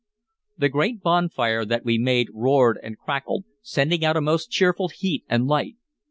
The great bonfire that we made roared and crackled, sending out a most cheerful heat and light.